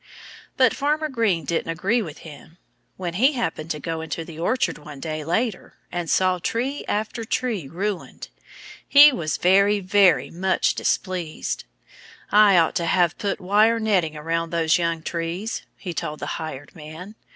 But Farmer Green didn't agree with him. When he happened to go into the orchard one day, later, and saw tree after tree ruined, he was very, very much displeased. "I ought to have put wire netting around those young trees," he told the hired man.